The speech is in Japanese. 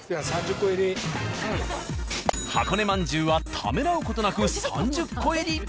箱根まんじゅうはためらう事なく３０個入り。